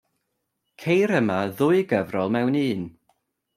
Ceir yma ddwy gyfrol mewn un.